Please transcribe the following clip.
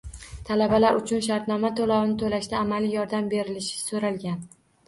Talabalar uchun shartnoma to‘lovini to‘lashda amaliy yordam berilishi so‘ralgan.